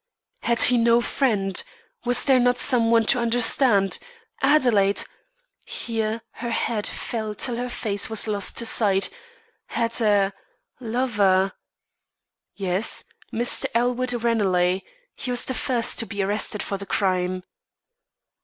"Had he no friend? Was there not some one to understand? Adelaide " here her head fell till her face was lost to sight "had a lover " "Yes. Mr. Elwood Ranelagh. He was the first to be arrested for the crime."